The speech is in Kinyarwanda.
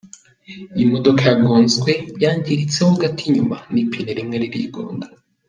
Iyi modoka yagonzwe yangiritse ho gato inyuma, n’ipine rimwe ririgonda.